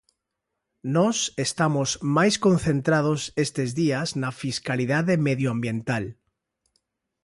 Nós estamos máis concentrados estes días na fiscalidade medioambiental.